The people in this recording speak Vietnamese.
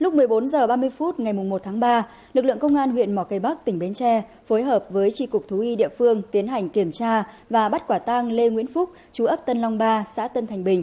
các bạn hãy đăng ký kênh để ủng hộ kênh của chúng mình nhé